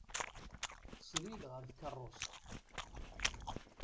Srid ɣer tkerrust.